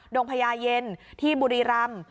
งพญาเย็นที่บุรีรำ